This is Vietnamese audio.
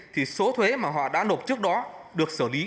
thì số thuế mà họ đã nộp trước đó được xử lý